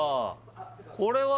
これは？